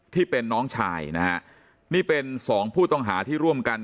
ที่เป็นน้องชายนะฮะนี่เป็นสองผู้ต้องหาที่ร่วมกัน